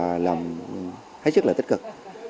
và làm hết sức là tích cực